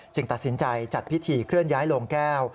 ตัดสินใจจัดพิธีเคลื่อนย้ายโลงแก้ว